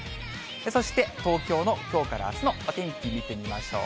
そして東京のきょうからあすのお天気見てみましょう。